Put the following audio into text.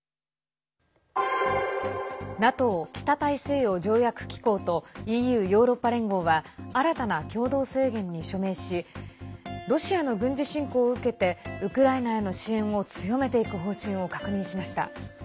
ＮＡＴＯ＝北大西洋条約機構とＥＵ＝ヨーロッパ連合は新たな共同宣言に署名しロシアの軍事侵攻を受けてウクライナへの支援を強めていく方針を確認しました。